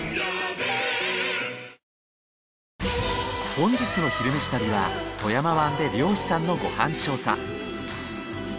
本日の「昼めし旅」は富山湾で漁師さんのご飯調査。